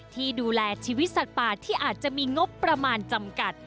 ที่ดูแลชีวิตสัตว์ป่าที่อาจจะมีงบประมาณจำกัด